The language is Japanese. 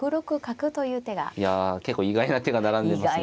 いや結構意外な手が並んでますね。